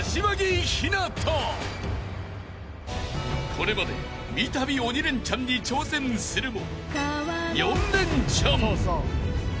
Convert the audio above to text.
［これまで三度鬼レンチャンに挑戦するも］